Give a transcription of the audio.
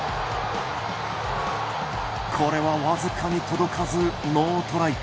これは僅かに届かずノートライ。